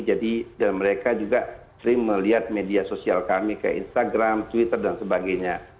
jadi dan mereka juga sering melihat media sosial kami kayak instagram twitter dan sebagainya